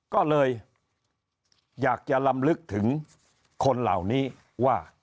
ก็เลยอยากจะลำลึกถึงคนเหล่านี้ว่า